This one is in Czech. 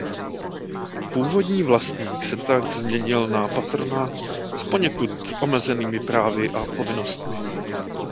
Původní vlastník se tak změnil na patrona s poněkud omezenými právy a povinnostmi.